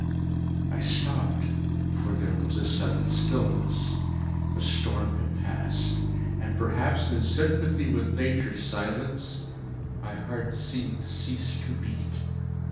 I stopped, for there was a sudden stillness. The storm had passed; and, perhaps in sympathy with nature's silence, my heart seemed to cease to beat.